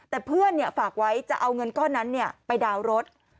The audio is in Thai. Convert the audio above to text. แต่เพื่อนเนี่ยฝากไว้จะเอาเงินก้อนนั้นเนี่ยไปดาวรถ